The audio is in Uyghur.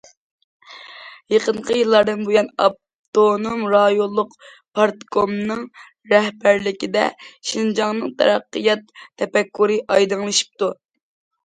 يېقىنقى يىللاردىن بۇيان، ئاپتونوم رايونلۇق پارتكومنىڭ رەھبەرلىكىدە، شىنجاڭنىڭ تەرەققىيات تەپەككۇرى ئايدىڭلىشىپتۇ.